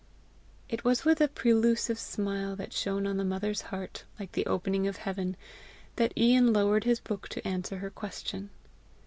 It was with a prelusive smile that shone on the mother's heart like the opening of heaven, that Ian lowered his book to answer her question.